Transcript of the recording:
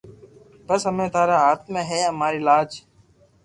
بس ھمي ٽارو ھاٿ مي ھي امري لاج